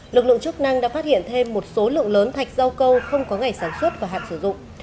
lực lượng chức năng đã phát hiện thêm một số lượng lớn thạch rau câu không có ngày sản xuất và hạn sử dụng